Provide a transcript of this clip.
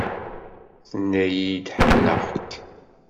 Tenna-iyi-d Ḥemmleɣ-k.